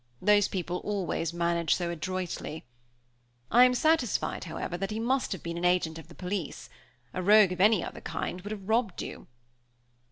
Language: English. Those people always manage so adroitly. I am satisfied, however, that he must have been an agent of the police. A rogue of any other kind would have robbed you."